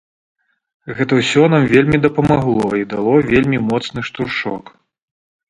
Гэта ўсё нам вельмі дапамагло і дало вельмі моцны штуршок.